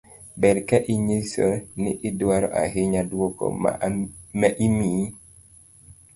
ber ka inyiso ni idwaro ahinya duoko ma imiyi